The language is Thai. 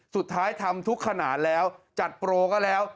สุดท้ายทำทุกขณะแล้วจัดโปรก็แล้ว